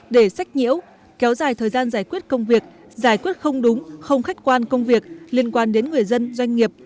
để sách nhiễu kéo dài thời gian giải quyết công việc giải quyết không đúng không khách quan công việc liên quan đến người dân doanh nghiệp